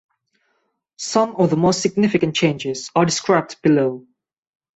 Some of the most significant changes are described below.